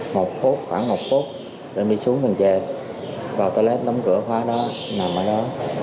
một phút khoảng một phút rồi ẩn đi xuống cần chênh vào toilet đóng cửa khóa đó ẩn nằm ở đó